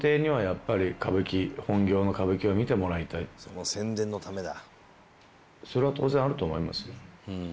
「その宣伝のためだ」